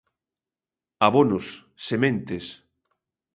Abonos, sementes